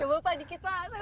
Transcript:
coba pak dikit pak